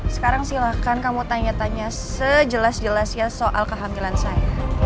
sekarang silahkan kamu tanya tanya sejelas jelasnya soal kehamilan saya